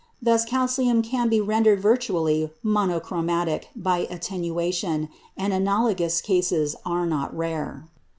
Thus, calcium can be rendered virtually monochromatic by attenuation, and analogous cases are not rare.